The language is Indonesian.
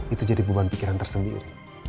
itu jadi beban pikiran tersendiri